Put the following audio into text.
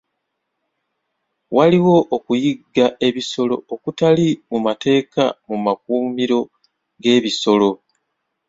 Waliwo okuyigga ebisolo okutali mu mateeka mu makuumiro g'ebisolo.